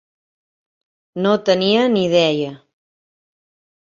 No tenia ni idea.